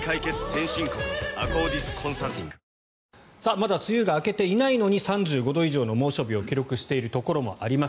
まだ梅雨が明けていないのに３５度以上の猛暑日を記録しているところもあります。